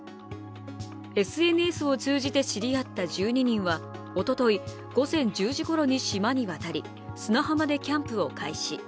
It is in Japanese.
ＳＮＳを通じて知り合った１２人はおととい午後１０時ごろに島に渡り砂浜でキャンプを開始。